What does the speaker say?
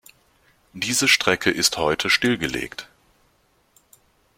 Diese Strecke ist heute stillgelegt.